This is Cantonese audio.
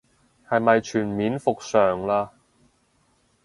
係咪全面復常嘞